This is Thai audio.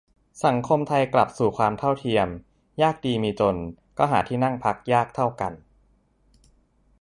สังคมไทยกลับสู่ความเท่าเทียม ยากดีมีจน ก็หาที่นั่งพักยากเท่ากัน